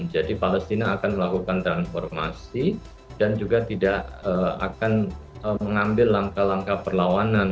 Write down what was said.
jadi palestina akan melakukan transformasi dan juga tidak akan mengambil langkah langkah perlawanan